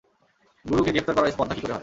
গুরুকে গ্রেফতার করার স্পর্ধা কী করে হয়?